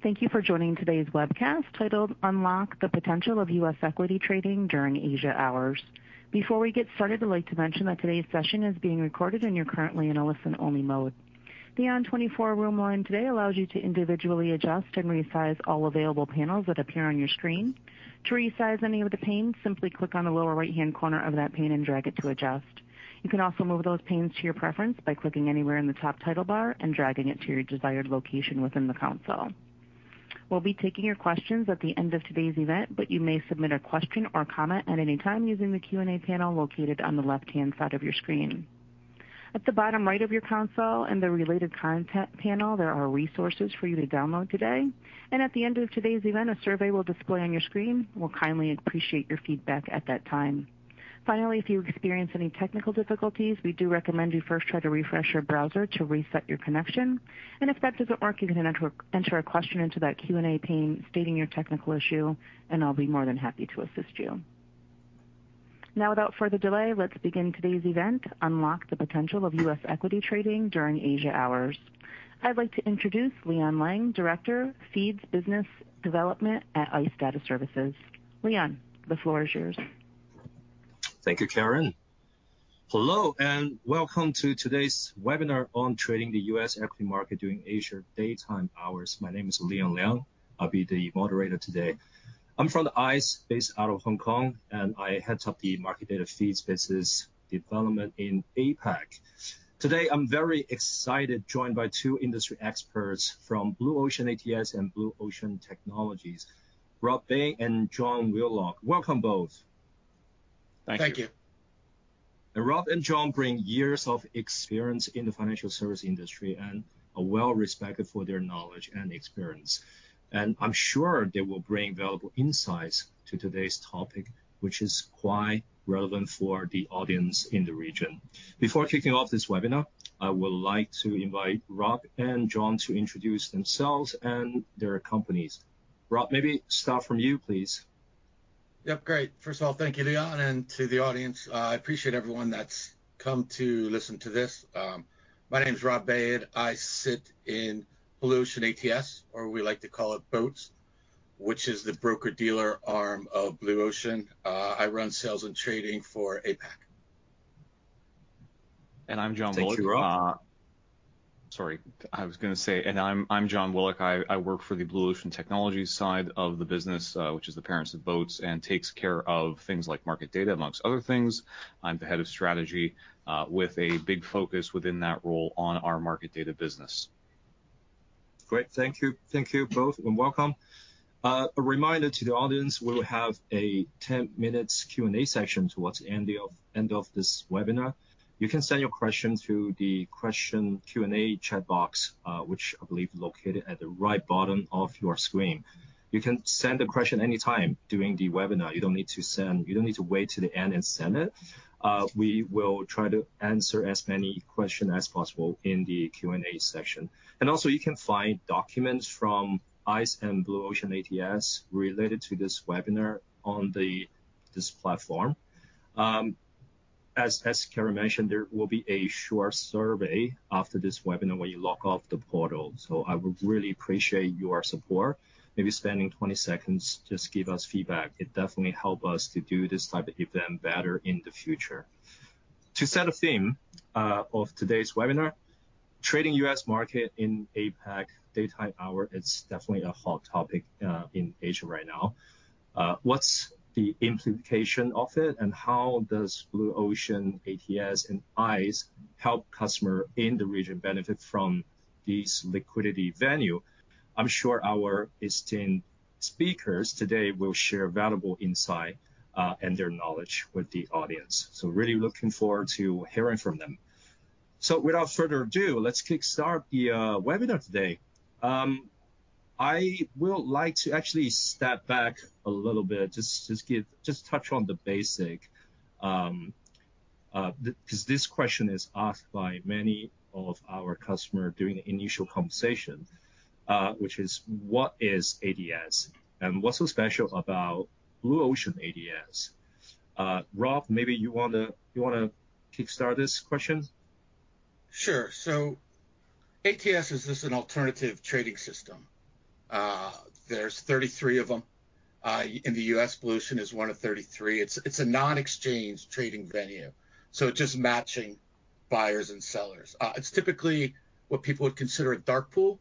Thank you for joining today's webcast titled Unlock the Potential of US Equity Trading During Asia Hours. Before we get started, I'd like to mention that today's session is being recorded and you're currently in a listen-only mode. The ON24 room line today allows you to individually adjust and resize all available panels that appear on your screen. To resize any of the panes, simply click on the lower right-hand corner of that pane and drag it to adjust. You can also move those panes to your preference by clicking anywhere in the top title bar and dragging it to your desired location within the console. We'll be taking your questions at the end of today's event, but you may submit a question or comment at any time using the Q&A panel located on the left-hand side of your screen. At the bottom right of your console in the Related Content panel, there are resources for you to download today. At the end of today's event, a survey will display on your screen. We'll kindly appreciate your feedback at that time. Finally, if you experience any technical difficulties, we do recommend you first try to refresh your browser to reset your connection. If that doesn't work, you can enter a question into that Q&A pane stating your technical issue, and I'll be more than happy to assist you. Now without further delay, let's begin today's event, Unlock the Potential of US Equity Trading During Asia Hours. I'd like to introduce Leon Liang, Director, Feeds Business Development at ICE Data Services. Leon, the floor is yours. Thank you, Karen. Hello, welcome to today's webinar on trading the U.S. equity market during Asia daytime hours. My name is Leon Liang. I'll be the moderator today. I'm from the ICE based out of Hong Kong, and I head up the market data feeds business development in APAC. Today, I'm very excited, joined by two industry experts from Blue Ocean ATS and Blue Ocean Technologies, Robb Baiad and John Willock. Welcome both. Thank you. Thank you. Rob and John bring years of experience in the financial service industry and are well-respected for their knowledge and experience. I'm sure they will bring valuable insights to today's topic, which is quite relevant for the audience in the region. Before kicking off this webinar, I would like to invite Rob and John to introduce themselves and their companies. Rob, maybe start from you, please. Yep, great. First of all, thank you, Leon, and to the audience. I appreciate everyone that's come to listen to this. My name is Robb Baiad. I sit in Blue Ocean ATS, or we like to call it Blue Ocean ATS (BOATS), which is the broker-dealer arm of Blue Ocean. I run sales and trading for APAC. I'm John Willock. Thank you, Rob. Sorry, I was going to say, I'm John Willock. I work for the Blue Ocean Technologies side of the business, which is the parents of Blue Ocean ATS (BOATS), takes care of things like market data, amongst other things. I'm the head of strategy, with a big focus within that role on our market data business. Great. Thank you. Thank you both, and welcome. A reminder to the audience, we will have a 10 minutes Q&A session towards the end of this webinar. You can send your question through the question Q&A chat box, which I believe located at the right bottom of your screen. You can send a question anytime during the webinar. You don't need to wait to the end and send it. We will try to answer as many question as possible in the Q&A session. You can find documents from ICE and Blue Ocean ATS related to this webinar on this platform. As Karen mentioned, there will be a short survey after this webinar when you log off the portal. I would really appreciate your support. Maybe spending 20 seconds, just give us feedback. It definitely help us to do this type of event better in the future. To set a theme of today's webinar, trading U.S. market in APAC daytime hour, it's definitely a hot topic in Asia right now. What's the implication of it, and how does Blue Ocean ATS and ICE help customer in the region benefit from this liquidity venue? I'm sure our esteemed speakers today will share valuable insight and their knowledge with the audience. Really looking forward to hearing from them. Without further ado, let's kickstart the webinar today. I would like to actually step back a little bit, just touch on the basic, 'cause this question is asked by many of our customer during initial conversation, which is: What is ATS, and what's so special about Blue Ocean ATS? Rob, maybe you wanna kickstart this question? Sure. ATS is just an alternative trading system. There's 33 of them. In the U.S., Blue Ocean is one of 33. It's a non-exchange trading venue, so just matching buyers and sellers. It's typically what people would consider a dark pool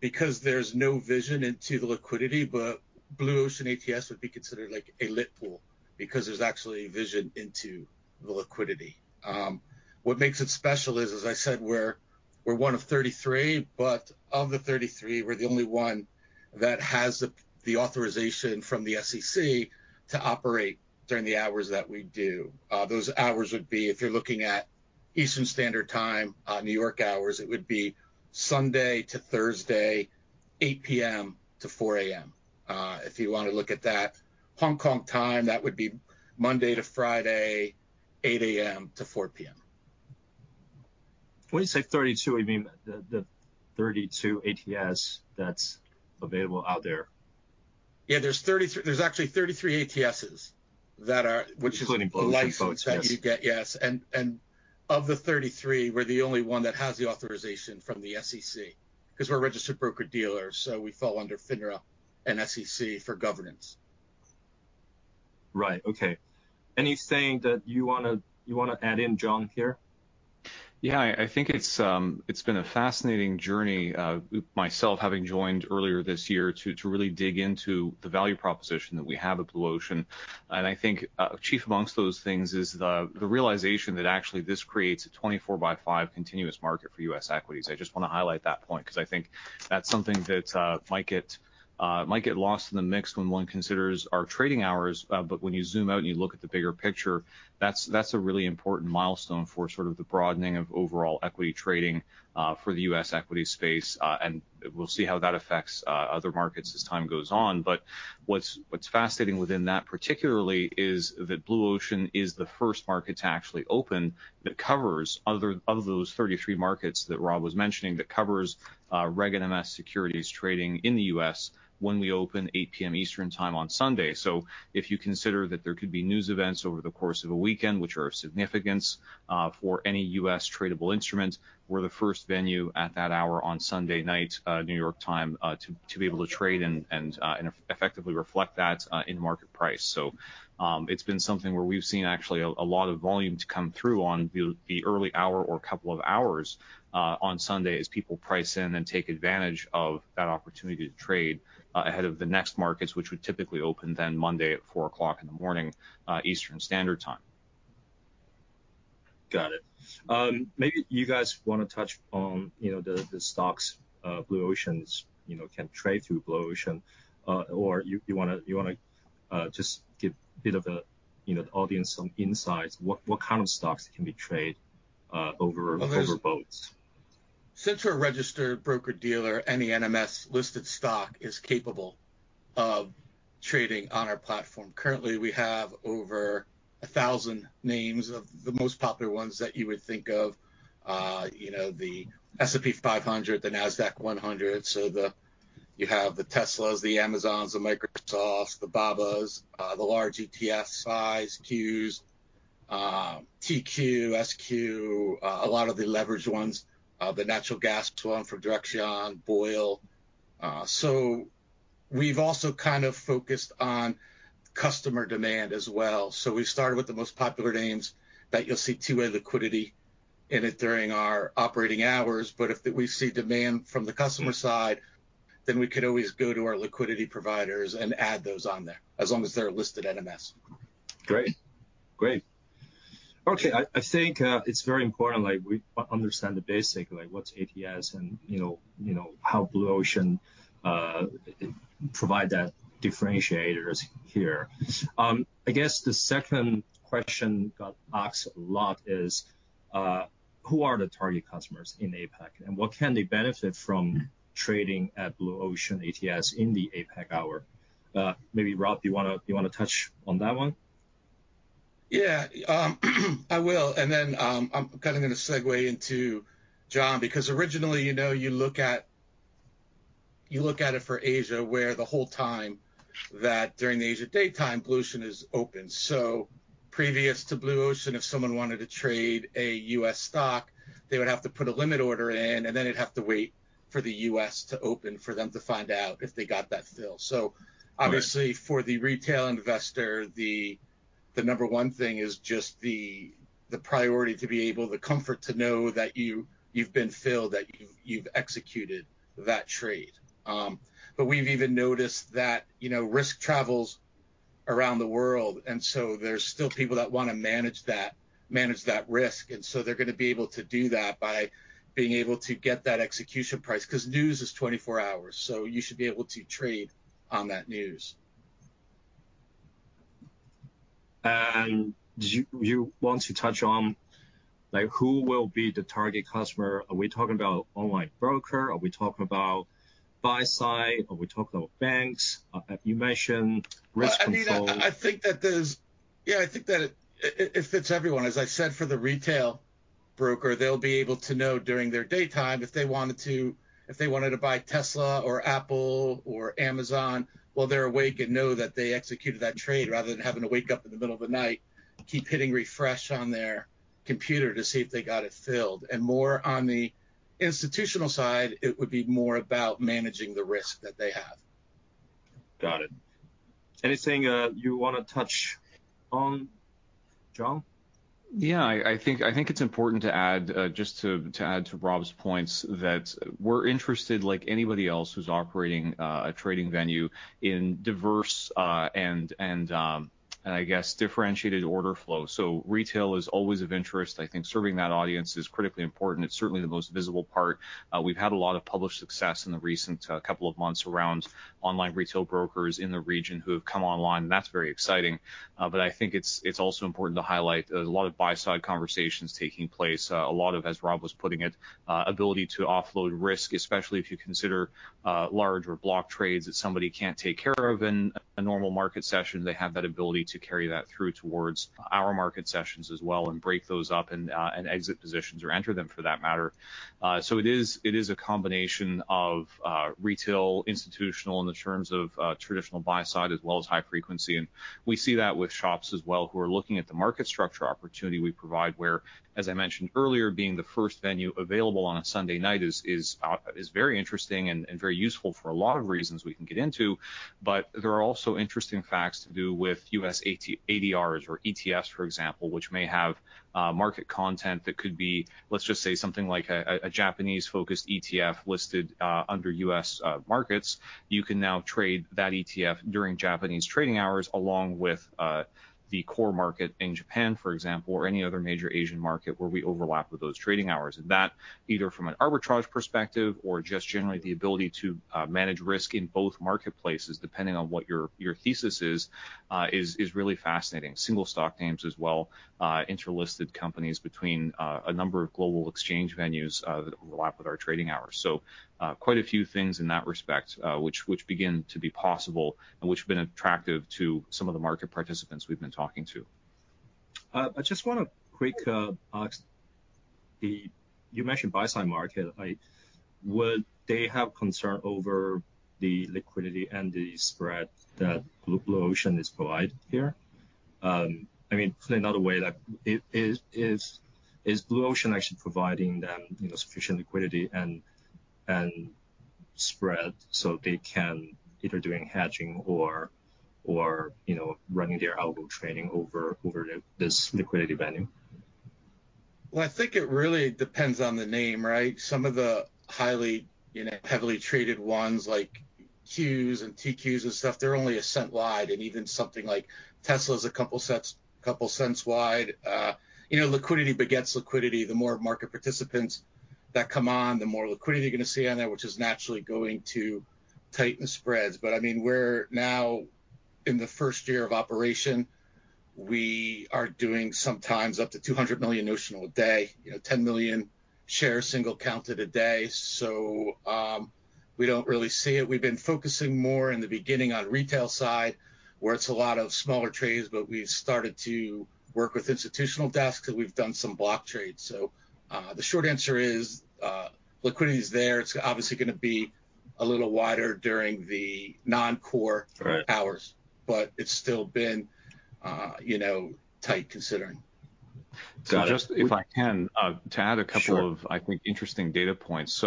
because there's no vision into the liquidity, but Blue Ocean ATS would be considered like a lit pool because there's actually vision into the liquidity. What makes it special is, as I said, we're one of 33, but of the 33, we're the only one that has the authorization from the SEC to operate during the hours that we do. Those hours would be, if you're looking at Eastern Standard Time, New York hours, it would be Sunday to Thursday, 8:00 P.M. to 4:00 A.M. If you wanna look at that Hong Kong time, that would be Monday to Friday, 8:00 A.M. to 4:00 P.M. When you say 32, you mean the 32 ATS that's available out there? Yeah, there's actually 33 ATSs. Including Blue Ocean folks, yes. Which is the license that you get. Yes. Of the 33, we're the only one that has the authorization from the SEC, 'cause we're a registered broker-dealer, so we fall under FINRA and SEC for governance. Right. Okay. Anything that you wanna, you wanna add in, John, here? Yeah. I think it's been a fascinating journey, myself having joined earlier this year to really dig into the value proposition that we have at Blue Ocean. I think, chief amongst those things is the realization that actually this creates a 24 by 5 continuous market for U.S. equities. I just wanna highlight that point, 'cause I think that's something that might get lost in the mix when one considers our trading hours. When you zoom out and you look at the bigger picture, that's a really important milestone for sort of the broadening of overall equity trading for the U.S. equity space. We'll see how that affects other markets as time goes on. What's fascinating within that particularly is that Blue Ocean is the first market to actually open that covers other... of those 33 markets that Rob was mentioning, that covers Reg NMS securities trading in the U.S. when we open 8:00 P.M. Eastern Time on Sunday. If you consider that there could be news events over the course of a weekend which are of significance for any U.S. tradable instrument, we're the first venue at that hour on Sunday night, New York time, to be able to trade and effectively reflect that in market price. It's been something where we've seen actually a lot of volume to come through on the early hour or couple of hours, on Sunday as people price in and take advantage of that opportunity to trade, ahead of the next markets, which would typically open then Monday at 4:00 in the morning, Eastern Standard Time. Got it. Maybe you guys wanna touch on, you know, the stocks Blue Ocean, you know, can trade through Blue Ocean, or you wanna just give a bit of a, you know, the audience some insights? What kind of stocks can be traded? Well, there's- Over Blue Ocean ATS (BOATS)? Since we're a registered broker-dealer, any NMS-listed stock is capable of trading on our platform. Currently we have over 1,000 names of the most popular ones that you would think of. you know, the S&P 500, the Nasdaq-100. You have the Tesla, Amazon, Microsoft, Alibaba, the large ETF size QQQ, TQQQ, SQQQ, a lot of the leveraged ones, the natural gas one from Direxion BOIL. we've also kind of focused on customer demand as well. We started with the most popular names that you'll see two-way liquidity in it during our operating hours. If we see demand from the customer side, then we can always go to our liquidity providers and add those on there, as long as they're listed NMS. Great. Great. Okay. I think, it's very important, like, we understand the basic, like what's ATS and, you know, how Blue Ocean provide that differentiators here. I guess the second question got asked a lot is, who are the target customers in APAC? What can they benefit from trading at Blue Ocean ATS in the APAC hour? Maybe Rob, do you wanna touch on that one? Yeah. I will. I'm kinda gonna segue into John, because originally, you know, you look at, you look at it for Asia, where the whole time that during the Asia daytime, Blue Ocean is open. Previous to Blue Ocean, if someone wanted to trade a U.S. stock, they would have to put a limit order in, and then they'd have to wait for the U.S. to open for them to find out if they got that fill. Obviously. Right for the retail investor, the number 1 thing is just the priority to be able the comfort to know that you've been filled, that you've executed that trade. We've even noticed that, you know, risk travels around the world, there's still people that wanna manage that risk. They're gonna be able to do that by being able to get that execution price, 'cause news is 24 hours, you should be able to trade on that news. Do you want to touch on, like, who will be the target customer? Are we talking about online broker? Are we talking about buy side? Are we talking about banks? You mentioned risk control. Well, I mean, I think that it fits everyone. As I said, for the retail broker, they'll be able to know during their daytime if they wanted to buy Tesla or Apple or Amazon while they're awake and know that they executed that trade rather than having to wake up in the middle of the night, keep hitting refresh on their computer to see if they got it filled. More on the institutional side, it would be more about managing the risk that they have. Got it. Anything you wanna touch on, John? Yeah. I think it's important to add, just to add to Rob's points that we're interested like anybody else who's operating a trading venue in diverse and I guess differentiated order flow. Retail is always of interest. I think serving that audience is critically important. It's certainly the most visible part. We've had a lot of published success in the recent couple of months around online retail brokers in the region who have come online, and that's very exciting. I think it's also important to highlight there's a lot of buy side conversations taking place. A lot of, as Rob was putting it, ability to offload risk, especially if you consider, large or block trades that somebody can't take care of in a normal market session, they have that ability to carry that through towards our market sessions as well and break those up and exit positions or enter them for that matter. It is, it is a combination of retail, institutional in the terms of traditional buy side as well as high frequency. We see that with shops as well who are looking at the market structure opportunity we provide where, as I mentioned earlier, being the first venue available on a Sunday night is very interesting and very useful for a lot of reasons we can get into. There are also interesting facts to do with U.S. ADRs or ETFs, for example, which may have market content that could be, let's just say something like a Japanese-focused ETF listed under U.S. markets. You can now trade that ETF during Japanese trading hours along with the core market in Japan, for example, or any other major Asian market where we overlap with those trading hours. That either from an arbitrage perspective or just generally the ability to manage risk in both marketplaces depending on what your thesis is really fascinating. Single stock names as well, inter-listed companies between a number of global exchange venues that overlap with our trading hours. Quite a few things in that respect, which begin to be possible and which have been attractive to some of the market participants we've been talking to. You mentioned buy side market. Would they have concern over the liquidity and the spread that Blue Ocean is provide here? I mean, put another way, is Blue Ocean actually providing them, you know, sufficient liquidity and spread so they can either doing hedging or, you know, running their algo training over this liquidity venue? Well, I think it really depends on the name, right? Some of the highly, you know, heavily traded ones like QQQ and TQQQs and stuff, they're only 1¢ wide, and even something like Tesla is a 2¢ wide. You know, liquidity begets liquidity. The more market participants that come on, the more liquidity you're gonna see on there, which is naturally going to tighten spreads. I mean, we're now in the first year of operation. We are doing sometimes up to $200 million (notional) per day. You know, 10 million shares per day. We don't really see it. We've been focusing more in the beginning on retail side, where it's a lot of smaller trades, but we've started to work with institutional desks, and we've done some block trades. The short answer is, liquidity is there. It's obviously gonna be a little wider during the non-core- Right... hours, but it's still been, you know, tight considering. Got it. Just if I can, to add a couple of- Sure I think interesting data points.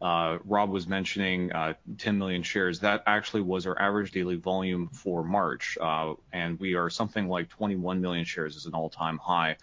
Rob was mentioning 10 million shares. That actually was our average daily volume for March. We are something like 21 million shares is an all-time high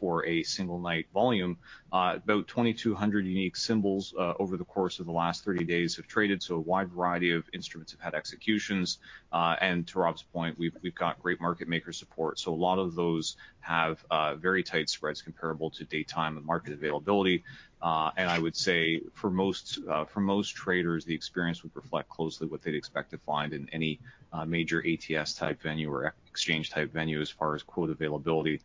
for a single night volume. About 2,200 unique symbols over the course of the last 30 days have traded, so a wide variety of instruments have had executions. To Rob's point, we've got great market maker support. A lot of those have very tight spreads comparable to daytime and market availability. I would say for most, for most traders, the experience would reflect closely what they'd expect to find in any major ATS-type venue or e-exchange-type venue as far as quote availability.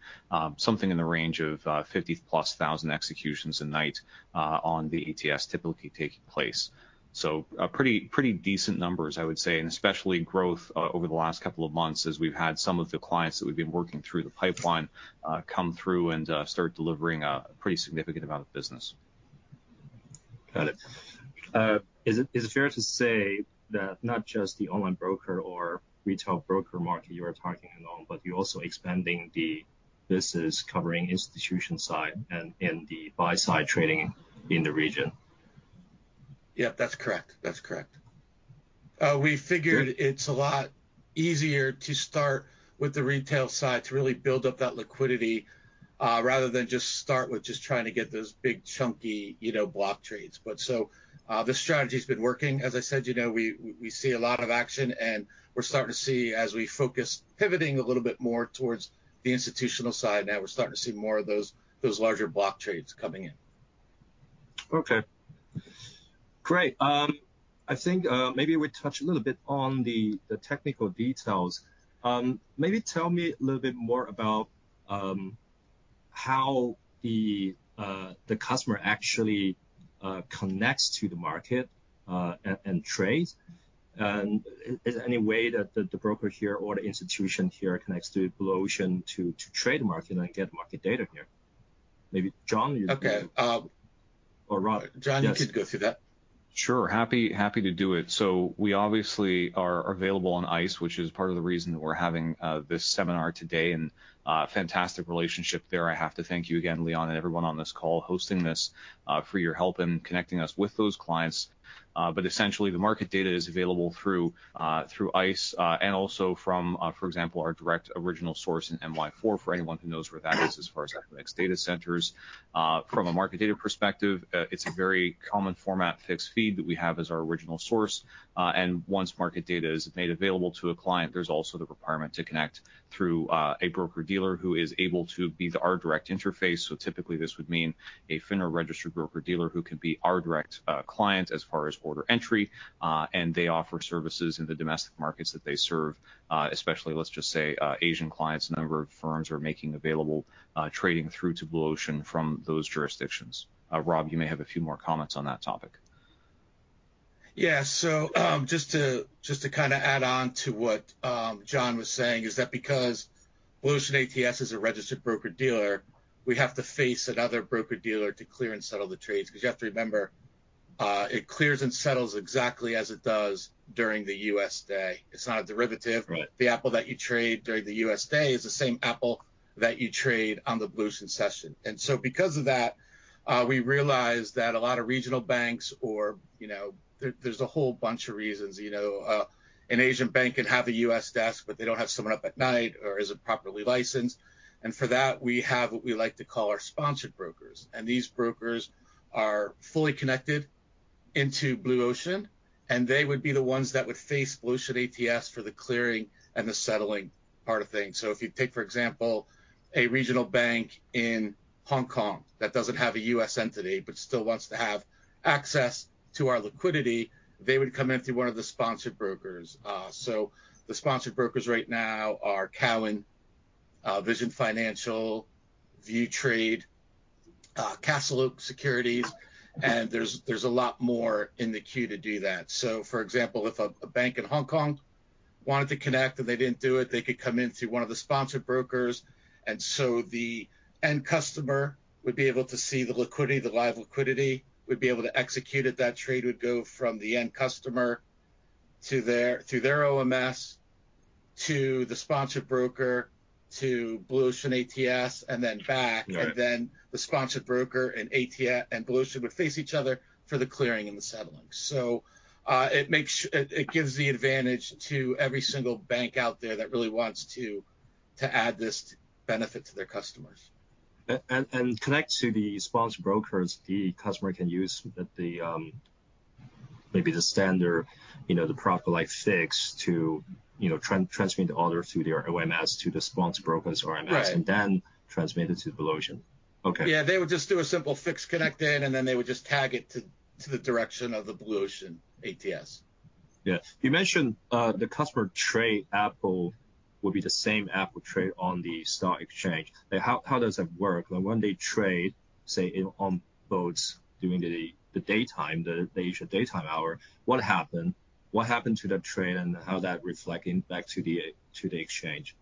Something in the range of 50-plus thousand executions a night on the ATS typically taking place. Pretty decent numbers I would say, and especially growth over the last couple of months as we've had some of the clients that we've been working through the pipeline come through and start delivering a pretty significant amount of business. Got it. Is it fair to say that not just the online broker or retail broker market you are targeting along, but you're also expanding the business covering institution side and the buy side trading in the region? Yeah, that's correct. That's correct. We figured it's a lot easier to start with the retail side to really build up that liquidity, rather than just start with just trying to get those big chunky, you know, block trades. The strategy's been working. As I said, you know, we see a lot of action, and we're starting to see as we focus pivoting a little bit more towards the institutional side now, we're starting to see more of those larger block trades coming in. Okay. Great. I think, maybe we touch a little bit on the technical details. Maybe tell me a little bit more about how the customer actually connects to the market and trades? Is there any way that the broker here or the institution here connects to Blue Ocean to trade market and get market data here? Maybe John. Okay. Rob. Yes. John, you could go through that. Sure. Happy to do it. We obviously are available on ICE, which is part of the reason that we're having this seminar today, and a fantastic relationship there. I have to thank you again, Leon, and everyone on this call hosting this, for your help in connecting us with those clients. Essentially, the market data is available through through ICE, and also from, for example, our direct original source in NY4, for anyone who knows where that is as far as Equinix data centers. From a market data perspective, it's a very common format FIX feed that we have as our original source. Once market data is made available to a client, there's also the requirement to connect through a broker-dealer who is able to be our direct interface. typically this would mean a FINRA-registered broker-dealer who can be our direct client as far as order entry, and they offer services in the domestic markets that they serve, especially, let's just say, Asian clients, a number of firms are making available trading through to Blue Ocean from those jurisdictions. Rob, you may have a few more comments on that topic. Yeah. just to kinda add on to what John was saying is that because Blue Ocean ATS is a registered broker-dealer, we have to face another broker-dealer to clear and settle the trades. Because you have to remember, it clears and settles exactly as it does during the U.S. day. It's not a derivative. Right. The Apple that you trade during the U.S. day is the same Apple that you trade on the Blue Ocean session. Because of that, we realize that a lot of regional banks or, you know. There's a whole bunch of reasons, you know. An Asian bank can have a U.S. desk, but they don't have someone up at night or isn't properly licensed. For that, we have what we like to call our sponsored brokers, and these brokers are fully connected into Blue Ocean, and they would be the ones that would face Blue Ocean ATS for the clearing and the settling part of things. If you take, for example, a regional bank in Hong Kong that doesn't have a U.S. entity but still wants to have access to our liquidity, they would come in through one of the sponsored brokers. The sponsored brokers right now are Cowen, Vision Financial, ViewTrade, CastleOak Securities, and there's a lot more in the queue to do that. For example, if a bank in Hong Kong wanted to connect and they didn't do it, they could come in through one of the sponsored brokers. The end customer would be able to see the liquidity, the live liquidity, would be able to execute it. That trade would go from the end customer to their, through their OMS, to the sponsored broker, to Blue Ocean ATS and then back. Right. The sponsored broker and ATS Blue Ocean would face each other for the clearing and the settling. It gives the advantage to every single bank out there that really wants to add this benefit to their customers. Connect to the sponsored brokers, the customer can use the, maybe the standard, you know, the proper like FIX to, you know, transmit the order through their OMS to the sponsored brokers' OMS. Right Then transmit it to Blue Ocean. Okay. They would just do a simple FIX connect in, and then they would just tag it to the direction of the Blue Ocean ATS. Yeah. You mentioned, the customer trade Apple would be the same Apple trade on the stock exchange. Like, how does that work? Like when they trade, say, on Blue Ocean ATS (BOATS) during the daytime, the Asia daytime hour, what happen to that trade and how that reflecting back to the exchange?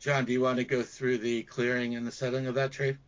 John, do you wanna go through the clearing and the settling of that trade?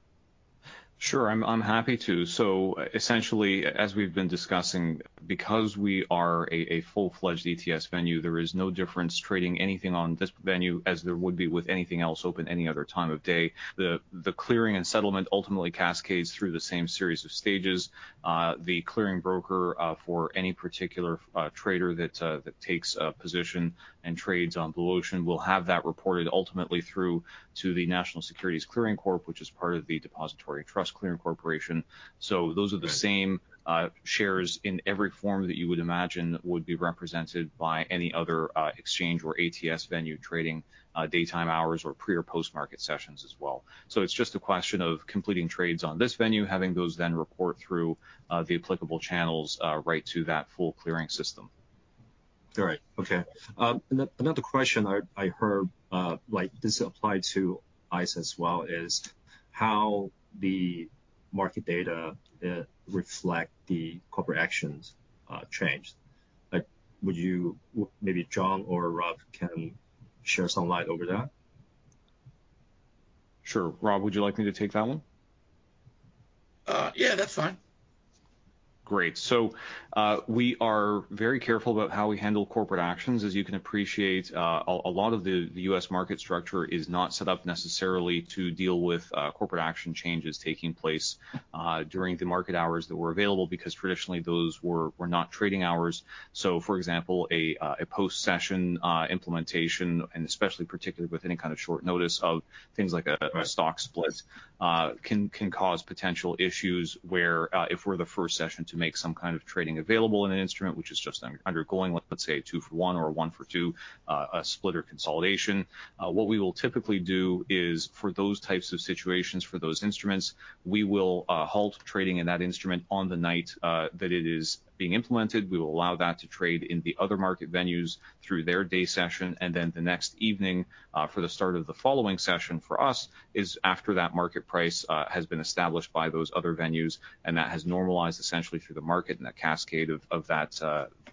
Sure, I'm happy to. Essentially, as we've been discussing, because we are a full-fledged ATS venue, there is no difference trading anything on this venue as there would be with anything else open any other time of day. The clearing and settlement ultimately cascades through the same series of stages. The clearing broker for any particular trader that takes a position and trades on Blue Ocean will have that reported ultimately through to the National Securities Clearing Corp, which is part of the Depository Trust & Clearing Corporation. Those are the same. Right... shares in every form that you would imagine would be represented by any other, exchange or ATS venue trading, daytime hours or pre or post-market sessions as well. It's just a question of completing trades on this venue, having those then report through, the applicable channels, right to that full clearing system. All right. Okay. Another question I heard, like this apply to ICE as well, is how the market data reflect the corporate actions change. Like, maybe John or Rob can shed some light over that. Sure. Rob, would you like me to take that one? Yeah, that's fine. Great. We are very careful about how we handle corporate actions. As you can appreciate, a lot of the U.S. market structure is not set up necessarily to deal with corporate action changes taking place during the market hours that were available, because traditionally those were not trading hours. For example, a post-session implementation, and especially particularly with any kind of short notice of things like a stock split, can cause potential issues where if we're the first session to make some kind of trading available in an instrument which is just undergoing, let's say a two-for-one or a one-for-two split or consolidation, what we will typically do is for those types of situations, for those instruments, we will halt trading in that instrument on the night that it is being implemented. We will allow that to trade in the other market venues through their day session, and then the next evening, for the start of the following session for us is after that market price, has been established by those other venues and that has normalized essentially through the market and that cascade of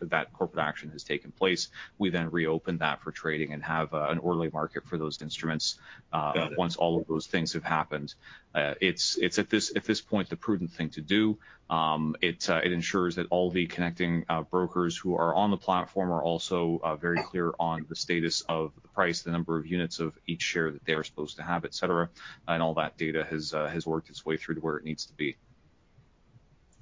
that corporate action has taken place. We reopen that for trading and have, an orderly market for those instruments. Got it. once all of those things have happened. It's at this point, the prudent thing to do. It ensures that all the connecting brokers who are on the platform are also very clear on the status of the price, the number of units of each share that they are supposed to have, et cetera. All that data has worked its way through to where it needs to be.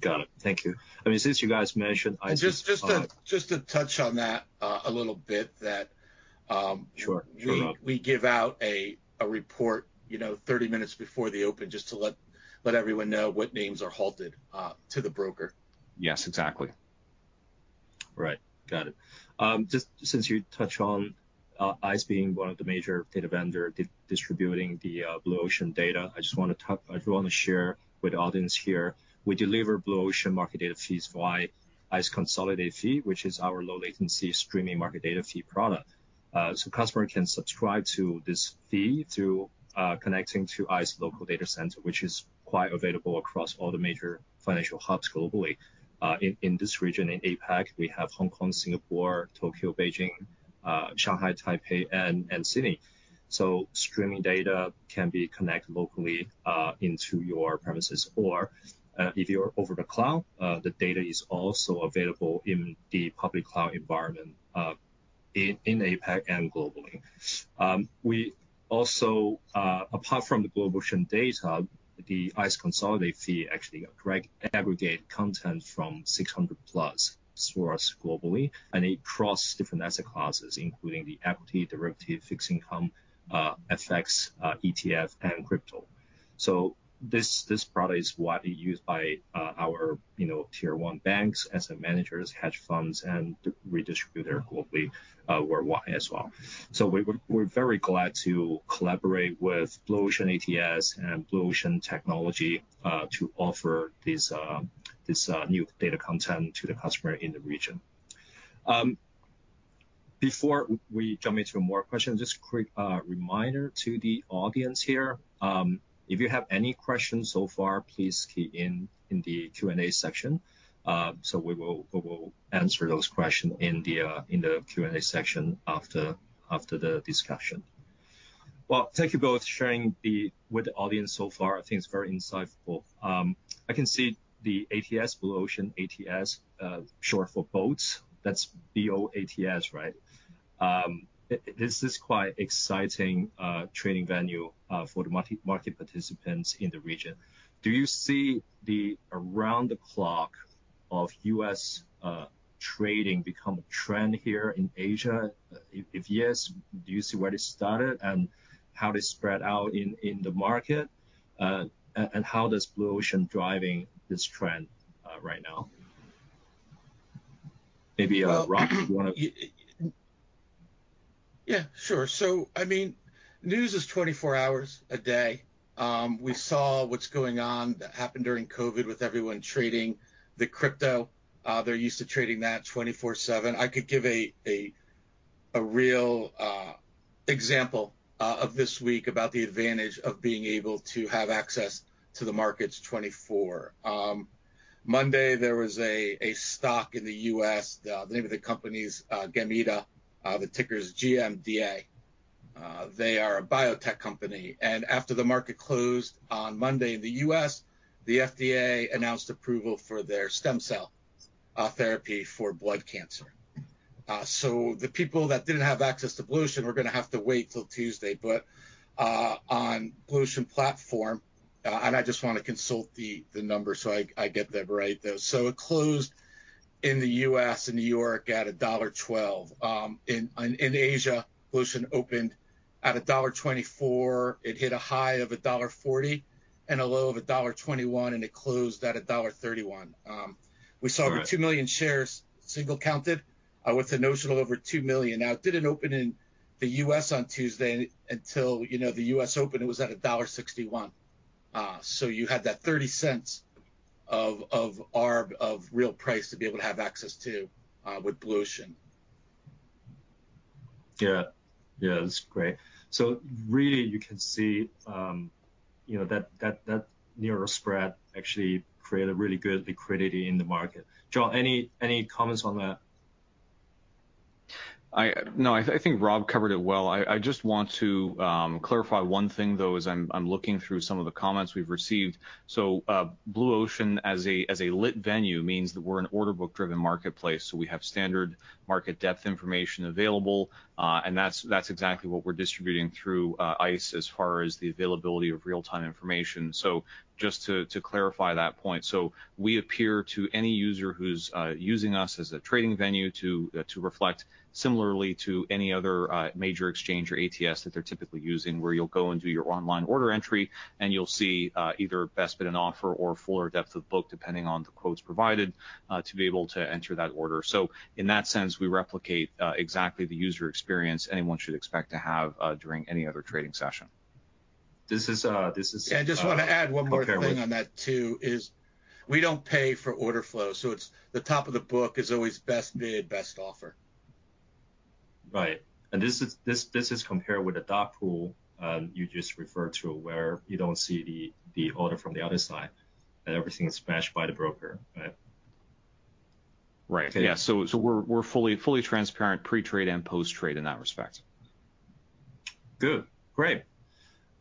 Got it. Thank you. I mean, since you guys mentioned ICE- Just to touch on that, a little bit that, Sure. Sure. We give out a report, you know, 30 minutes before the open just to let everyone know what names are halted to the broker. Yes. Exactly. Right. Got it. Just since you touched on ICE being one of the major data vendor distributing the Blue Ocean data, I just wanna share with the audience here, we deliver Blue Ocean market data feeds via ICE Consolidated Feed, which is our low latency streaming market data feed product. So customer can subscribe to this feed through connecting to ICE local data center, which is quite available across all the major financial hubs globally. In this region, in APAC, we have Hong Kong, Singapore, Tokyo, Beijing, Shanghai, Taipei, and Sydney. Streaming data can be connected locally into your premises. Or if you're over the cloud, the data is also available in the public cloud environment in APAC and globally. We also, apart from the Blue Ocean data, the ICE Consolidated Feed actually aggregate content from 600 plus source globally, and it cross different asset classes, including the equity, derivative, fixed income, FX, ETF and crypto. This product is widely used by our, you know, tier 1 banks, asset managers, hedge funds, and redistributor globally, worldwide as well. We're very glad to collaborate with Blue Ocean ATS and Blue Ocean Technology to offer this new data content to the customer in the region. Before we jump into more questions, just quick reminder to the audience here, if you have any questions so far, please key in in the Q&A section, we will answer those question in the Q&A section after the discussion. Well, thank you both sharing the... with the audience so far. I think it's very insightful. I can see the ATS, Blue Ocean ATS, short for Blue Ocean ATS (BOATS). That's B-O-A-T-S, right? this is quite exciting trading venue for the market participants in the region. Do you see the around the clock of U.S. trading become a trend here in Asia? if yes, do you see where it started and how it spread out in the market? How does Blue Ocean driving this trend right now? Maybe, Rob, do you wanna- I mean, news is 24 hours a day. We saw what's going on that happened during COVID with everyone trading the crypto. They're used to trading that 24/7. I could give a real example of this week about the advantage of being able to have access to the markets 24. Monday, there was a stock in the U.S. The name of the company is Gamida. The ticker is GMDA. They are a biotech company. After the market closed on Monday in the U.S., the FDA announced approval for their stem cell therapy for blood cancer. The people that didn't have access to Blue Ocean were gonna have to wait till Tuesday. On Blue Ocean platform, and I just wanna consult the numbers, so I get them right though. It closed in the U.S. and New York at $1.12. In Asia, Blue Ocean opened at $1.24. It hit a high of $1.40 and a low of $1.21, and it closed at $1.31. We saw. Right... over 2 million shares single counted, with the notional over $2 million. It didn't open in the U.S. on Tuesday until, you know, the U.S. opened, it was at $1.61. You had that $0.30 of ARB, of real price to be able to have access to, with Blue Ocean. Yeah. Yeah, that's great. really you can see, you know, that nearer spread actually created really good liquidity in the market. John, any comments on that? No, I think Rob covered it well. I just want to clarify one thing though, as I'm looking through some of the comments we've received. Blue Ocean as a lit venue means that we're an order book-driven marketplace. We have standard market depth information available. And that's exactly what we're distributing through ICE as far as the availability of real-time information. Just to clarify that point. We appear to any user who's using us as a trading venue to reflect similarly to any other major exchange or ATS that they're typically using, where you'll go and do your online order entry and you'll see either best bid and offer or fuller depth of book, depending on the quotes provided to be able to enter that order. In that sense, we replicate exactly the user experience anyone should expect to have during any other trading session. This is, uh, this is- I just wanna add one more thing on that too, is we don't pay for order flow, so it's the top of the book is always best bid, best offer. Right. This is compared with a dark pool, you just referred to, where you don't see the order from the other side, and everything is matched by the broker, right? Right. Yeah. We're fully transparent pre-trade and post-trade in that respect. Good. Great.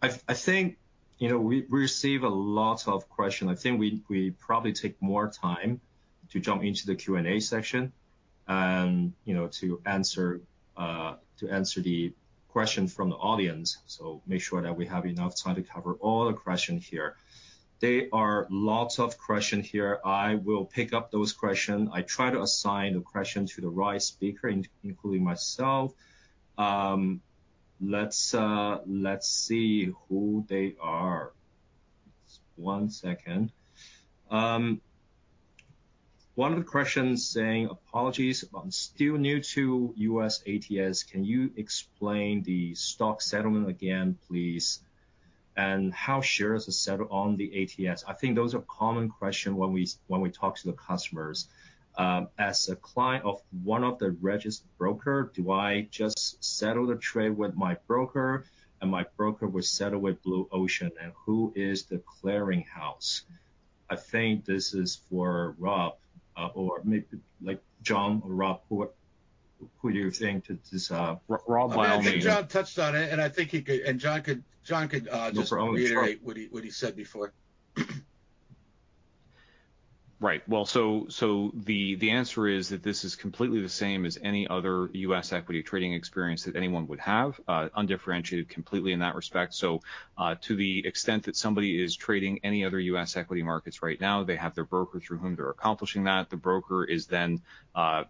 I think, you know, we receive a lot of question. I think we probably take more time to jump into the Q&A section and, you know, to answer the question from the audience. Make sure that we have enough time to cover all the question here. There are lots of question here. I will pick up those question. I try to assign the question to the right speaker, including myself. Let's see who they are. Just one second. One of the questions saying, "Apologies, I'm still new to U.S. ATS. Can you explain the stock settlement again, please? And how shares are settled on the ATS?" I think those are common question when we talk to the customers. As a client of one of the registered broker, do I just settle the trade with my broker, and my broker will settle with Blue Ocean? Who is the clearing house?" I think this is for Rob, or maybe like John or Rob. Who do you think that is, Rob? I think John touched on it. John could. Mr. Owen, sorry.... reiterate what he said before. Right. Well, the answer is that this is completely the same as any other U.S. equity trading experience that anyone would have. Undifferentiated completely in that respect. To the extent that somebody is trading any other U.S. equity markets right now, they have their broker through whom they're accomplishing that. The broker is then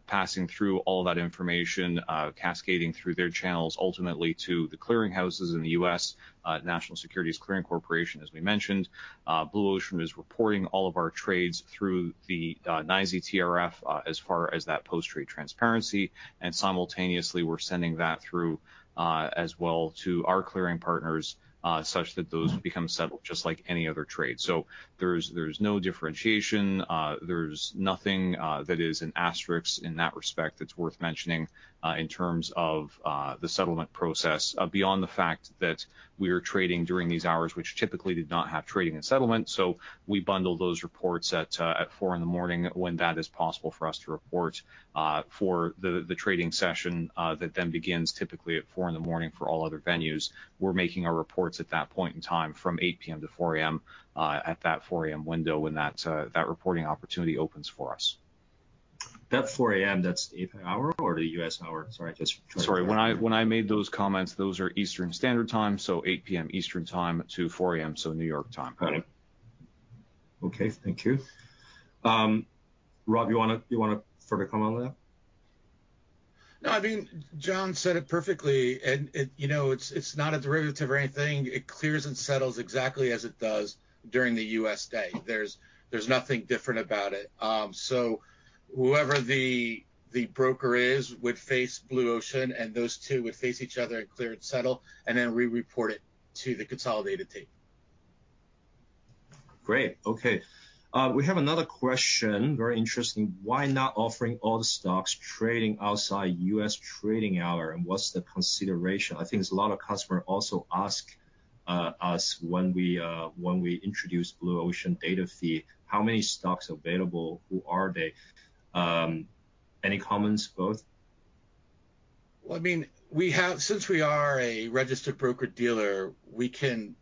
passing through all that information, cascading through their channels, ultimately to the clearing houses in the U.S., National Securities Clearing Corporation, as we mentioned. Blue Ocean is reporting all of our trades through the FINRA/NYSE TRF, as far as that post-trade transparency. Simultaneously, we're sending that through as well to our clearing partners, such that those become settled just like any other trade. There's no differentiation. There's nothing that is an asterisk in that respect that's worth mentioning in terms of the settlement process. Beyond the fact that we are trading during these hours, which typically did not have trading and settlement, so we bundle those reports at 4:00 A.M. when that is possible for us to report for the trading session that then begins typically at 4:00 A.M. for all other venues. We're making our reports at that point in time from 8:00 P.M. to 4:00 A.M. at that 4:00 A.M. window when that reporting opportunity opens for us. That 4:00 A.M., that's the AP hour or the U.S. hour? Sorry. Sorry. When I made those comments, those are Eastern Standard Time, so 8:00 P.M. Eastern Time to 4:00 A.M., so New York time. Got it. Okay, thank you. Rob, you wanna further comment on that? No, I mean, John said it perfectly and it, you know, it's not a derivative or anything. It clears and settles exactly as it does during the U.S. day. There's nothing different about it. Whoever the broker is would face Blue Ocean, and those two would face each other and clear and settle, and then re-report it to the consolidated tape. Great. Okay. We have another question, very interesting. "Why not offering all the stocks trading outside U.S. trading hour, and what's the consideration?" I think it's a lot of customer also ask us when we introduce Blue Ocean data feed, how many stocks available? Who are they? Any comments, both? Well, I mean, since we are a registered broker-dealer, we could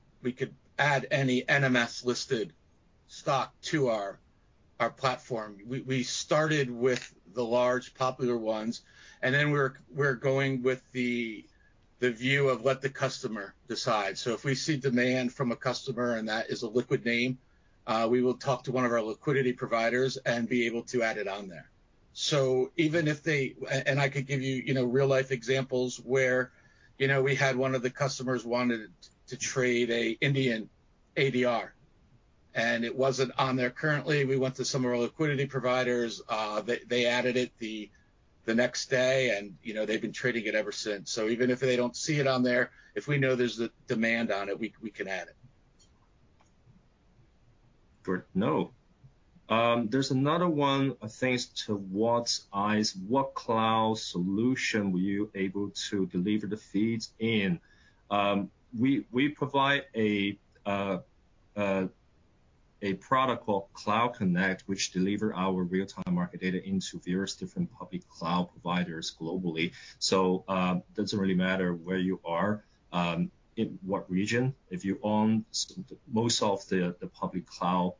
add any NMS-listed stock to our platform. We started with the large popular ones, then we're going with the view of let the customer decide. If we see demand from a customer, and that is a liquid name, we will talk to one of our liquidity providers and be able to add it on there. Even if they, and I could give you know, real-life examples where, you know, we had one of the customers wanted to trade a Indian ADR, it wasn't on there currently. We went to some of our liquidity providers. They added it the next day, you know, they've been trading it ever since. Even if they don't see it on there, if we know there's the demand on it, we can add it. Great. No. There's another one, thanks to Walt Eyes. "What cloud solution were you able to deliver the feeds in?" We provide a product called Cloud Connect, which deliver our real-time market data into various different public cloud providers globally. Doesn't really matter where you are, in what region. If you own most of the public cloud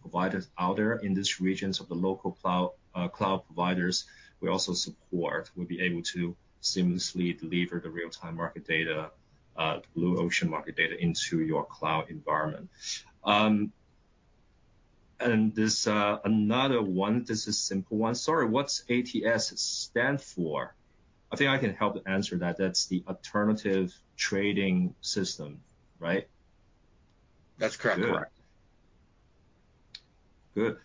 providers out there in these regions of the local cloud providers, we also support. We'll be able to seamlessly deliver the real-time market data, Blue Ocean market data into your cloud environment. There's another one. This is simple one. "Sorry, what's ATS stand for?" I think I can help answer that. That's the Alternative Trading System, right? That's correct. Good.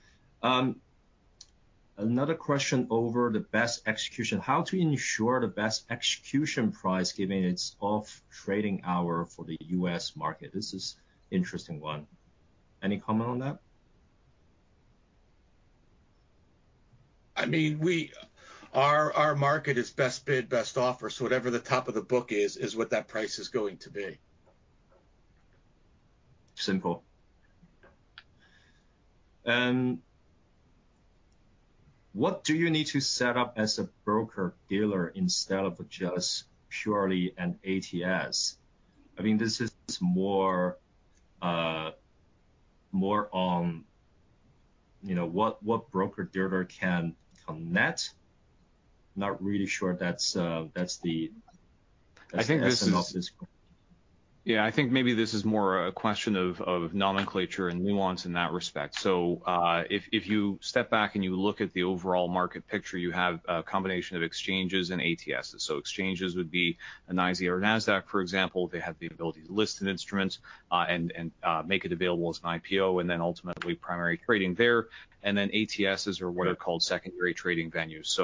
Another question over the best execution. "How to ensure the best execution price given it's off trading hour for the U.S. market?" This is interesting one. Any comment on that? I mean, Our market is best bid, best offer. Whatever the top of the book is what that price is going to be. Simple. What do you need to set up as a broker-dealer instead of just purely an ATS? I mean, this is more on, you know, what broker dealer can connect. Not really sure that's the- I think this is. S and L physical. Yeah, I think maybe this is more a question of nomenclature and nuance in that respect. If you step back and you look at the overall market picture, you have a combination of exchanges and ATSs. Exchanges would be NYSE or Nasdaq, for example. They have the ability to list an instrument, and make it available as an IPO, and then ultimately primary trading there. Then ATSs are what. Yeah are called secondary trading venues.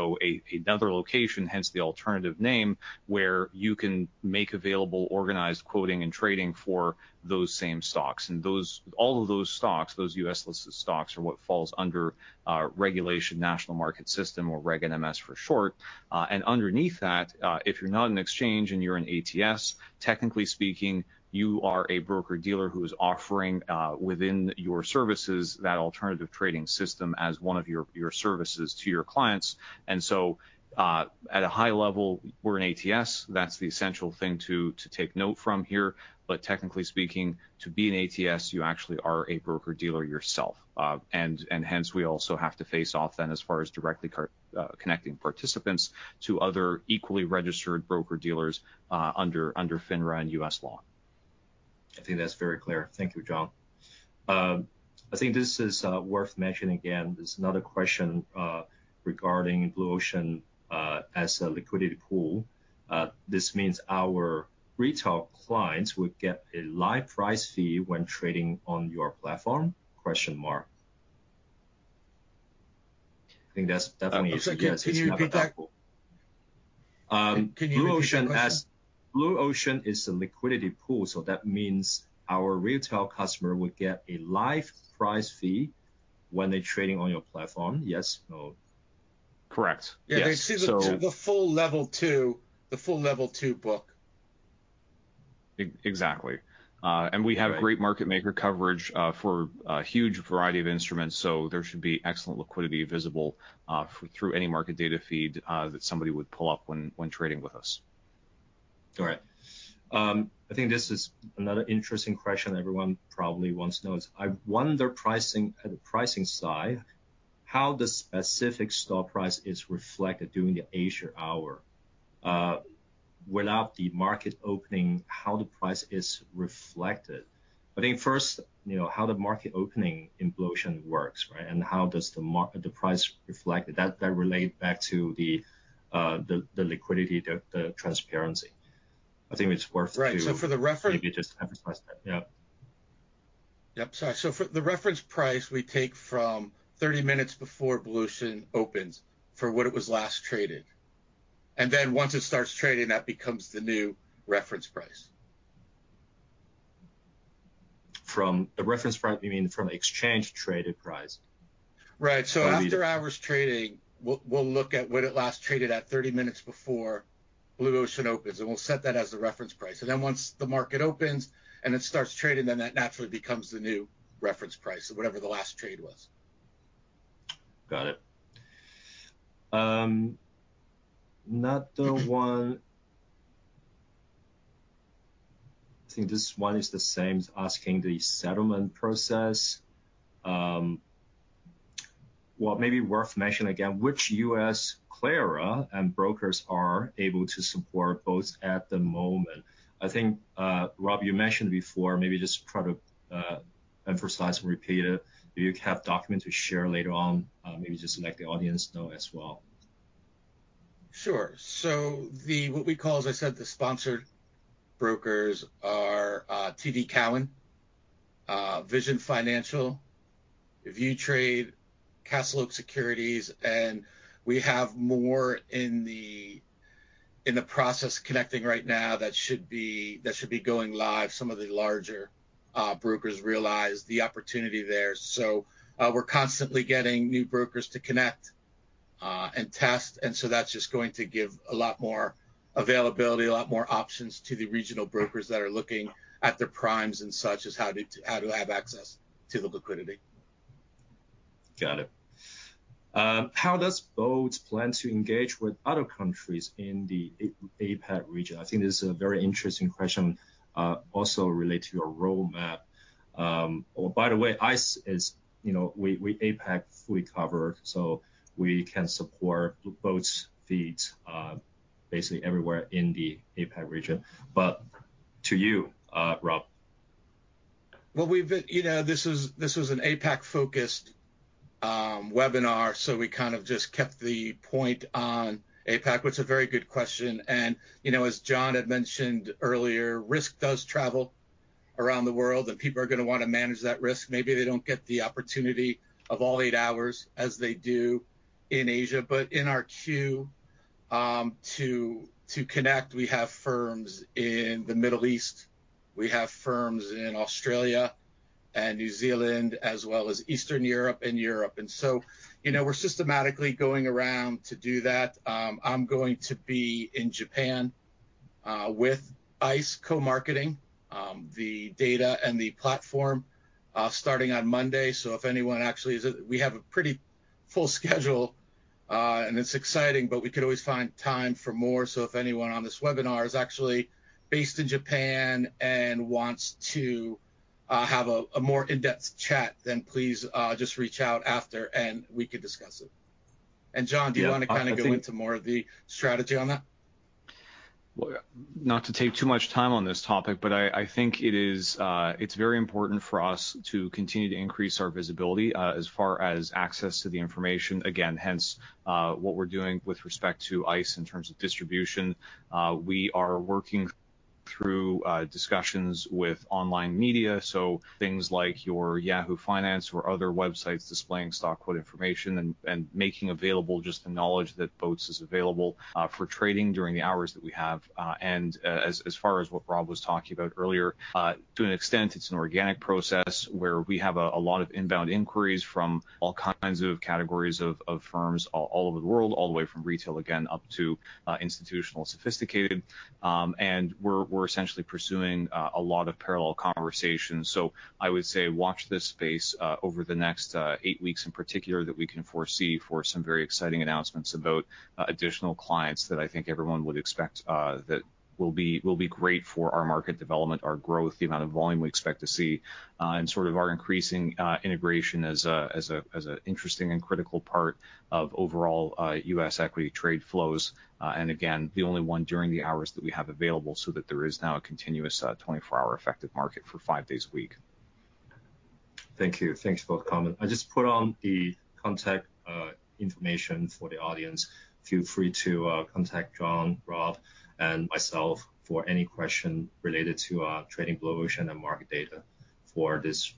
another location, hence the alternative name, where you can make available organized quoting and trading for those same stocks. All of those stocks, those U.S.-listed stocks, are what falls under our Regulation National Market System or Reg NMS for short. Underneath that, if you're not an exchange and you're an ATS, technically speaking, you are a broker-dealer who is offering within your services that alternative trading system as one of your services to your clients. At a high level, we're an ATS. That's the essential thing to take note from here. Technically speaking, to be an ATS, you actually are a broker-dealer yourself. Hence, we also have to face off then as far as directly... connecting participants to other equally registered broker-dealers, under FINRA and U.S. law. I think that's very clear. Thank you, John. I think this is worth mentioning again. There's another question regarding Blue Ocean as a liquidity pool. This means our retail clients would get a live price feed when trading on your platform? I think that's definitely. I'm sorry. Can you repeat that? Yes, it's another platform. Can you repeat the question? Blue Ocean is a liquidity pool, so that means our retail customer would get a live price feed when they're trading on your platform. Yes, no? Correct. Yes. Yeah, they see the full Level 2 book. Exactly. We have great market maker coverage for a huge variety of instruments, so there should be excellent liquidity visible through any market data feed that somebody would pull up when trading with us. All right. I think this is another interesting question everyone probably wants to know is I wonder pricing, at the pricing side, how the specific stock price is reflected during the Asia hour. Without the market opening, how the price is reflected. I think first, you know, how the market opening in Blue Ocean works, right? How does the price reflect. That relate back to the liquidity, the transparency. I think it's worth to. Right. for the reference. Maybe just emphasize that. Yeah. Yep. Sorry. For the reference price, we take from 30 minutes before Blue Ocean opens for what it was last traded. Once it starts trading, that becomes the new reference price. From the reference price, you mean from exchange-traded price? Right. Do you. After hours trading, we'll look at what it last traded at 30 minutes before Blue Ocean opens, and we'll set that as the reference price. Once the market opens and it starts trading, then that naturally becomes the new reference price. Whatever the last trade was. Got it. another one. I think this one is the same as asking the settlement process. well, maybe worth mentioning again, which U.S. Clara and brokers are able to support both at the moment. I think, Rob, you mentioned before, maybe just try to emphasize and repeat it. Do you have documents to share later on? maybe just let the audience know as well. Sure. What we call, as I said, the sponsored brokers are TD Cowen, Vision Financial, ViewTrade, CastleOak Securities, and we have more in the process connecting right now that should be going live. Some of the larger brokers realize the opportunity there. We're constantly getting new brokers to connect and test. That's just going to give a lot more availability, a lot more options to the regional brokers that are looking at their primes and such as how to have access to the liquidity. Got it. How does Boat plan to engage with other countries in the A-APEC region? I think this is a very interesting question, also related to your roadmap. By the way, ICE is, you know, we A-APEC fully covered, so we can support Boat's feeds, basically everywhere in the A-APEC region. To you, Rob. Well, you know, this is an APEC-focused webinar, we kind of just kept the point on APEC, but it's a very good question. You know, as John had mentioned earlier, risk does travel around the world, and people are gonna wanna manage that risk. Maybe they don't get the opportunity of all 8 hours as they do in Asia. In our queue, to connect, we have firms in the Middle East, we have firms in Australia and New Zealand, as well as Eastern Europe and Europe. You know, we're systematically going around to do that. I'm going to be in Japan with ICE co-marketing the data and the platform starting on Monday. If anyone actually. We have a pretty full schedule It's exciting, but we could always find time for more. If anyone on this webinar is actually based in Japan and wants to have a more in-depth chat, then please just reach out after, and we could discuss it. John. Yeah. Do you wanna kind of go into more of the strategy on that? Well, not to take too much time on this topic, but I think it is, it's very important for us to continue to increase our visibility as far as access to the information. Again, hence, what we're doing with respect to ICE in terms of distribution. We are working through discussions with online media, so things like your Yahoo Finance or other websites displaying stock quote information and making available just the knowledge that BOATS is available for trading during the hours that we have. As far as what Rob was talking about earlier, to an extent it's an organic process where we have a lot of inbound inquiries from all kinds of categories of firms all over the world, all the way from retail, again, up to institutional sophisticated. We're essentially pursuing a lot of parallel conversations. I would say watch this space over the next 8 weeks in particular that we can foresee for some very exciting announcements about additional clients that I think everyone would expect that will be great for our market development, our growth, the amount of volume we expect to see, and sort of our increasing integration as a interesting and critical part of overall U.S. equity trade flows. Again, the only one during the hours that we have available so that there is now a continuous 24-hour effective market for 5 days a week. Thank you. Thanks for the comment. I just put on the contact information for the audience. Feel free to contact John, Rob, and myself for any question related to our trading Blue Ocean and market data for this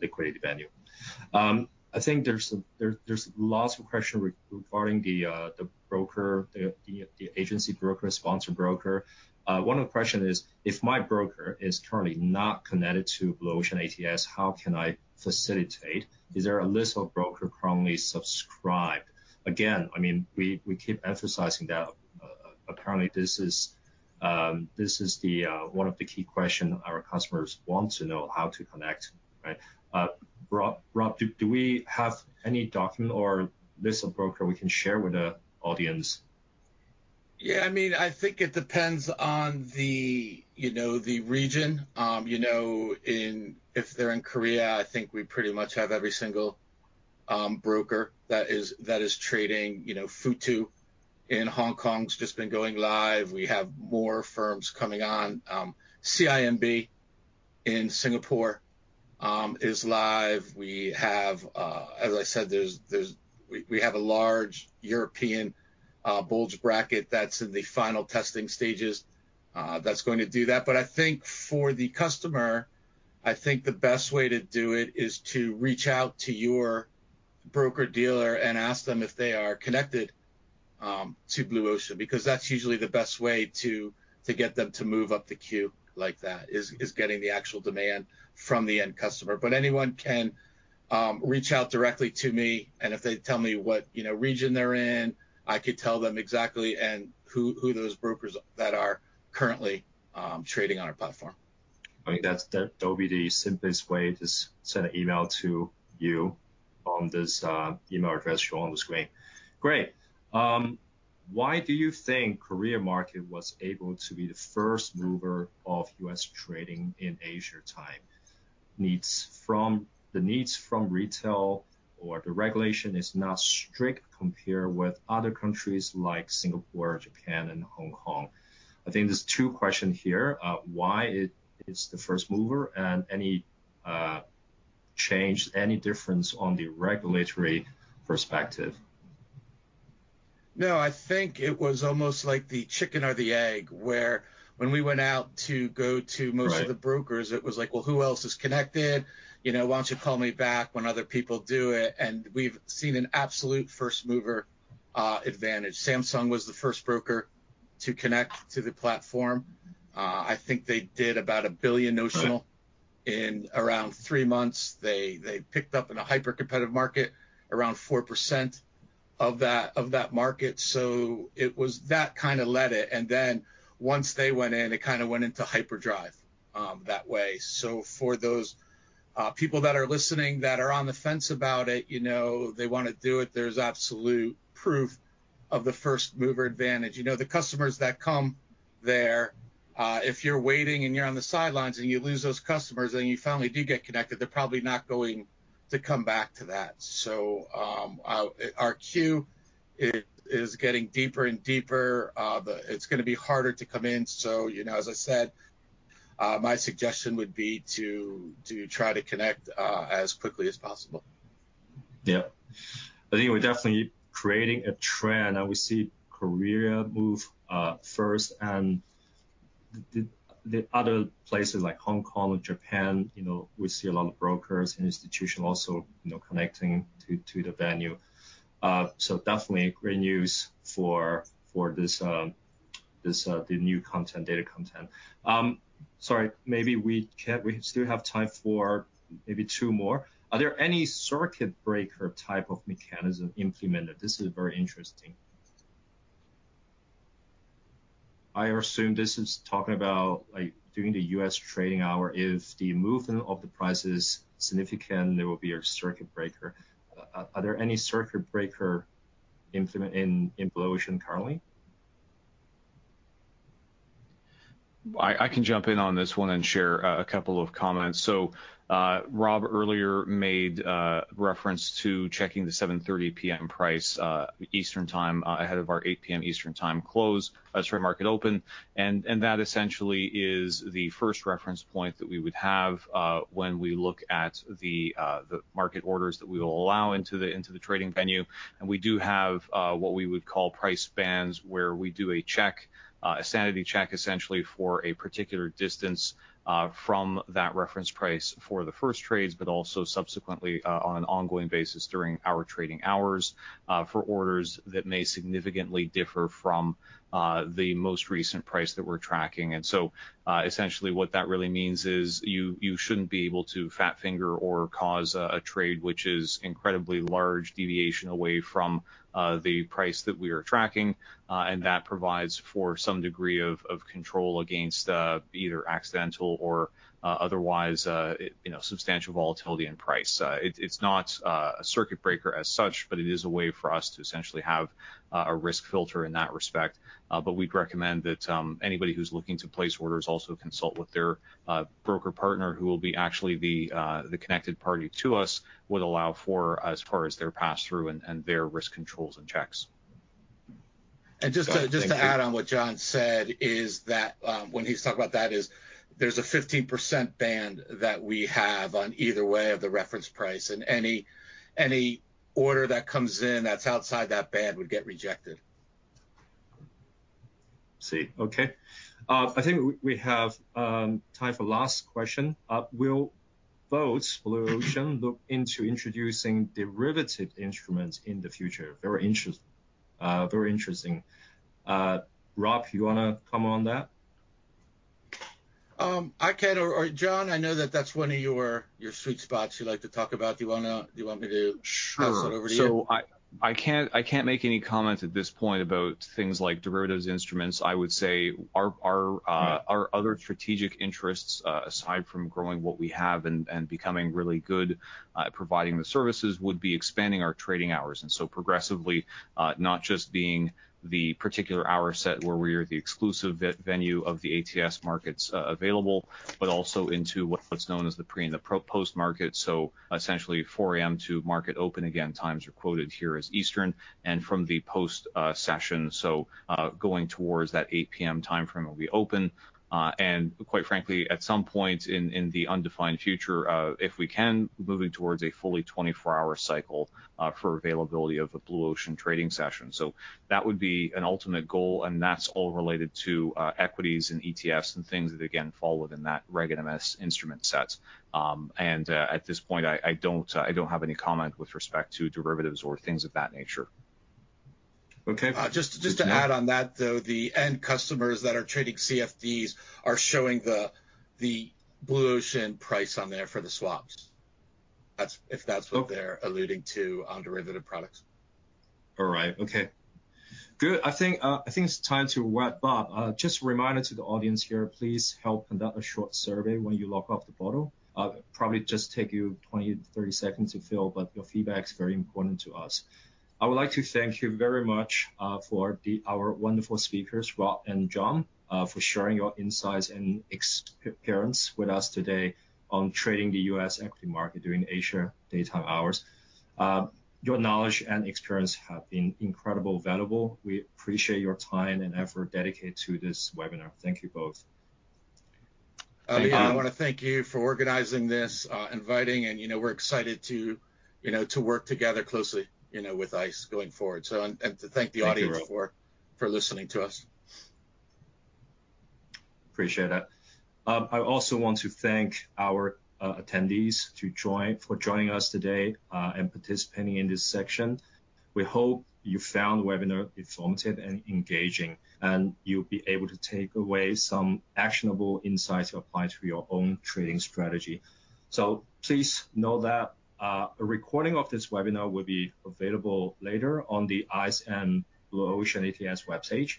liquidity venue. I think there's lots of question regarding the broker, the agency broker, sponsor broker. One of the question is, "If my broker is currently not connected to Blue Ocean ATS, how can I facilitate? Is there a list of broker currently subscribed?" Again, I mean, we keep emphasizing that apparently this is the one of the key question our customers want to know how to connect, right? Rob, do we have any document or list of broker we can share with the audience? Yeah. I mean, I think it depends on the, you know, the region. You know, if they're in Korea, I think we pretty much have every single broker that is trading. You know, Futu in Hong Kong's just been going live. We have more firms coming on. CIMB in Singapore is live. We have, as I said, we have a large European bulge bracket that's in the final testing stages that's going to do that. I think for the customer, I think the best way to do it is to reach out to your broker dealer and ask them if they are connected to Blue Ocean, because that's usually the best way to get them to move up the queue like that, is getting the actual demand from the end customer. Anyone can reach out directly to me, and if they tell me what, you know, region they're in, I could tell them exactly and who those brokers that are currently trading on our platform. I think that's that would be the simplest way, just send an email to you on this email address shown on the screen. Great. Why do you think Korea market was able to be the first mover of U.S. trading in Asia time? The needs from retail or the regulation is not strict compared with other countries like Singapore, Japan, and Hong Kong. I think there's two question here, why it is the first mover and any change, any difference on the regulatory perspective. No, I think it was almost like the chicken or the egg, where when we went out to go to most- Right... of the brokers, it was like, "Well, who else is connected?" You know, "Why don't you call me back when other people do it?" We've seen an absolute first mover advantage. Samsung was the first broker to connect to the platform. I think they did about $1 billion notional in around 3 months. They picked up in a hyper-competitive market, around 4% of that, of that market. That kinda led it, and then once they went in, it kinda went into hyperdrive that way. For those people that are listening that are on the fence about it, you know, they wanna do it, there's absolute proof of the first mover advantage. You know, the customers that come there, if you're waiting and you're on the sidelines and you lose those customers, then you finally do get connected, they're probably not going to come back to that. Our queue is getting deeper and deeper. It's gonna be harder to come in. You know, as I said, my suggestion would be to try to connect, as quickly as possible. Yeah. I think we're definitely creating a trend, and we see Korea move first and the other places like Hong Kong and Japan, you know, we see a lot of brokers and institution also, you know, connecting to the venue. Definitely great news for this the new content, data content. Sorry, maybe we still have time for maybe two more. Are there any circuit breaker type of mechanism implemented? This is very interesting. I assume this is talking about, like, during the US trading hour, if the movement of the price is significant, there will be a circuit breaker. Are there any circuit breaker implement in Blue Ocean currently? I can jump in on this one and share a couple of comments. Robb earlier made reference to checking the 7:30 P.M. price, Eastern Time, ahead of our 8:00 P.M. Eastern Time close, sorry, market open. That essentially is the first reference point that we would have when we look at the market orders that we will allow into the trading venue. We do have what we would call price bands where we do a check, a sanity check essentially for a particular distance from that reference price for the first trades, but also subsequently, on an ongoing basis during our trading hours for orders that may significantly differ from the most recent price that we're tracking. Essentially what that really means is you shouldn't be able to fat finger or cause a trade which is incredibly large deviation away from the price that we are tracking, and that provides for some degree of control against either accidental or otherwise, you know, substantial volatility in price. It's, it's not a circuit breaker as such, but it is a way for us to essentially have a risk filter in that respect. We'd recommend that anybody who's looking to place orders also consult with their broker partner who will be actually the connected party to us would allow for as far as their pass-through and their risk controls and checks. Thank you. Just to add on what John said is that when he's talking about that is there's a 15% band that we have on either way of the reference price, and any order that comes in that's outside that band would get rejected. I see. Okay. I think we have time for last question? Will Blue Ocean look into introducing derivative instruments in the future? Very interesting. Rob, you wanna comment on that? I can or John, I know that that's one of your sweet spots you like to talk about. Do you want me to? Sure. Pass it over to you? I can't make any comments at this point about things like derivatives instruments. I would say our other strategic interests, aside from growing what we have and becoming really good at providing the services, would be expanding our trading hours. Progressively, not just being the particular hour set where we're the exclusive venue of the ATS markets available, but also into what's known as the pre and the post market. Essentially 4:00 A.M. to market open. Again, times are quoted here as Eastern. From the post session, going towards that 8:00 P.M. timeframe will be open. And quite frankly, at some point in the undefined future, if we can, moving towards a fully 24-hour cycle for availability of the Blue Ocean trading session. That would be an ultimate goal, and that's all related to equities and ETFs and things that again fall within that Reg NMS instrument set. At this point I don't have any comment with respect to derivatives or things of that nature. Okay. Just to add on that, though, the end customers that are trading CFDs are showing the Blue Ocean price on there for the swaps, if that's what they're alluding to on derivative products. All right. Okay. Good. I think, I think it's time to wrap up. Just a reminder to the audience here, please help conduct a short survey when you log off the portal. Probably just take you 20 to 30 seconds to fill, but your feedback is very important to us. I would like to thank you very much for our wonderful speakers, Rob and John, for sharing your insights and experience with us today on trading the U.S. equity market during Asia daytime hours. Your knowledge and experience have been incredible valuable. We appreciate your time and effort dedicated to this webinar. Thank you both. Leon, I wanna thank you for organizing this, inviting and, you know, we're excited to, you know, to work together closely, you know, with ICE going forward. To thank the audience- Thank you, Rob. For listening to us. Appreciate it. I also want to thank our attendees for joining us today and participating in this session. We hope you found the webinar informative and engaging, and you'll be able to take away some actionable insights to apply to your own trading strategy. Please know that a recording of this webinar will be available later on the ICE and Blue Ocean ATS webpage.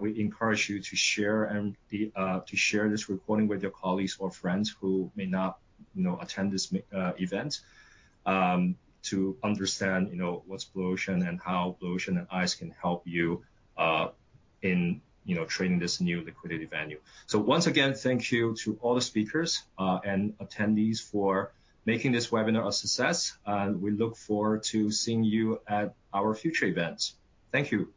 We encourage you to share this recording with your colleagues or friends who may not, you know, attend this event to understand, you know, what's Blue Ocean and how Blue Ocean and ICE can help you in, you know, trading this new liquidity venue. Once again, thank you to all the speakers and attendees for making this webinar a success. We look forward to seeing you at our future events. Thank you.